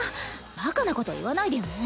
バカなこと言わないでよね。